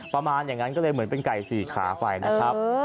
ประมาณอย่างนั้นก็เลยเหมือนเป็นใส่ก่ายสี่ขา